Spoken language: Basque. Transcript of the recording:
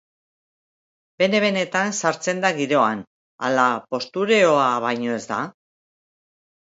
Bene-benetan sartzen da giroan ala postureoa baino ez da?